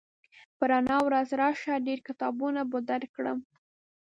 په رڼا ورځ راشه ډېر کتابونه به درکړم